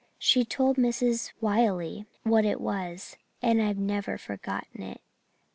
She told Mrs. Wiley what it was and I've never forgot it.